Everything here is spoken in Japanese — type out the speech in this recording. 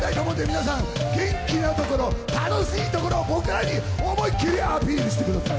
元気なところ、楽しいところを僕らに思いっきりアピールしてください！